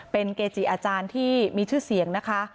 เป็นเกจิอาจารย์ที่มีชื่อเสียงนะคะ